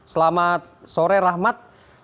selamat sore rahmat